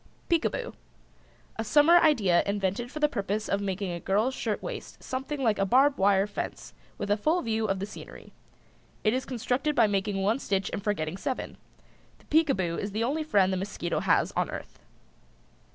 PEEKABOO. A summer idea invented for the purpose of making a girl's shirtwaist something like a barb wire fence with a full view of the scenery. It is constructed by making one stitch and forgetting seven. The Peekaboo is the only friend the mosquito has on earth.